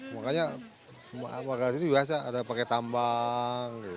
makanya makanya di sini biasa ada pakai tambang gitu